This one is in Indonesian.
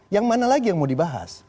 yang mana lagi yang mau dibahas